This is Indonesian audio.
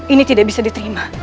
ini tidak bisa diterima